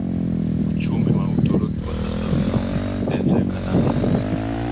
Uchumi wa Uturuki kwa sasa unaongezeka na ni